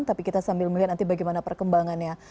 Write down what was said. tapi kita sambil melihat nanti bagaimana perkembangannya